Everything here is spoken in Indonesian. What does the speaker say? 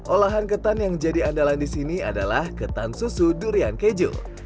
olahan ketan yang jadi andalan di sini adalah ketan susu durian keju